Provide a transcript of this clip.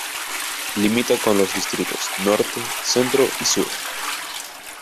Limita con los distritos norte, centro y sur.